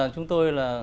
chúng tôi là